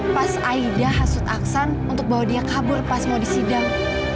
pas aida hasud aksan untuk bawa dia kabur pas mau disidang